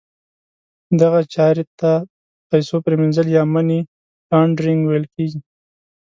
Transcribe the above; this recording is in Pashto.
دغه چارې ته د پیسو پریمینځل یا Money Laundering ویل کیږي.